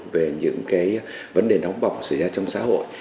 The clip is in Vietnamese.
về những cái vấn đề nóng bỏng xảy ra trong xã hội